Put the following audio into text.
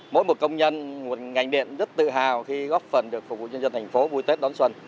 mỗi một công nhân một ngành điện rất tự hào khi góp phần được phục vụ nhân dân thành phố vui tết đón xuân